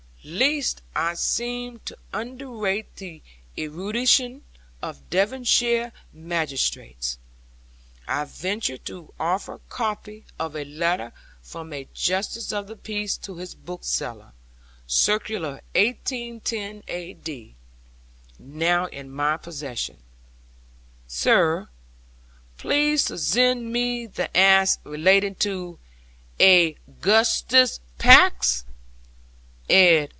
* Lest I seem to under rate the erudition of Devonshire magistrates, I venture to offer copy of a letter from a Justice of the Peace to his bookseller, circa 1810 A.D., now in my possession: 'Sur. 'plez to zen me the aks relatting to A GUSTUS PAKS,' Ed.